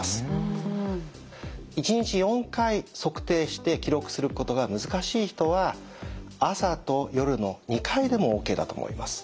１日４回測定して記録することが難しい人は朝と夜の２回でもＯＫだと思います。